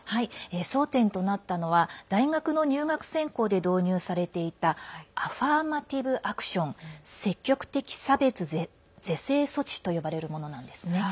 争点となったのは大学の入学選考で導入されていたアファーマティブ・アクション＝積極的差別是正措置と呼ばれるものなんですね。